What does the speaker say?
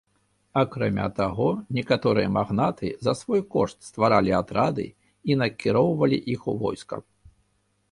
Акрамя таго некаторыя магнаты за свой кошт стваралі атрады і накіроўвалі іх у войска.